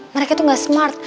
mereka tuh gak smart